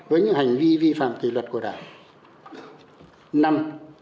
với những hành vi vi phạm kỳ luật của đảng